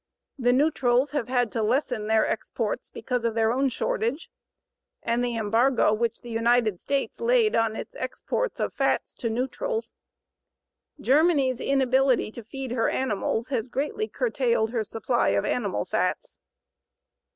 The neutrals have had to lessen their exports because of their own shortage, and the embargo which the United States laid on its exports of fats to neutrals. Germany's inability to feed her animals has greatly curtailed her supply of animal fats.